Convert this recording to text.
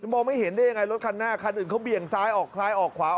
มองไม่เห็นได้ยังไงรถคันหน้าคันอื่นเขาเบี่ยงซ้ายออกซ้ายออกขวา